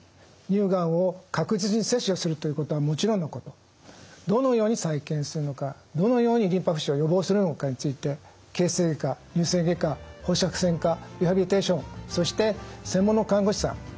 乳がんを確実に切除するということはもちろんのことどのように再建するのかどのようにリンパ浮腫を予防するのかについて形成外科乳腺外科放射線科リハビリテーションそして専門の看護師さん